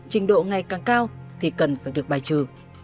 trình độ ngày càng cao thì cần phải được bài trừ